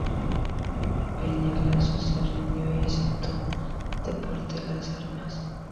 Peñaloza se rindió y aceptó deponer las armas.